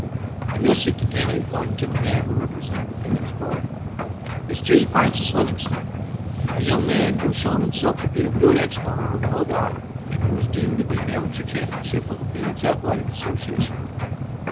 ] "And this," he continued, pointing to the man who represented the Phœnix Club, "is J. Francis Livingstone, a young man who has shown himself to be a good exponent of the noble art, and who is deemed to be the amateur champion of the Phœnix Athletic Association.